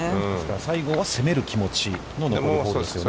西郷は攻める気持ちの残りホールですよね。